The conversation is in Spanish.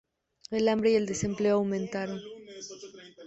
El hambre y el desempleo aumentaron.